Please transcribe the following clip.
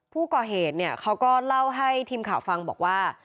ผู้ก่อเหตุเขาก็เล่าให้ทีมข่าวฟังบอกว่า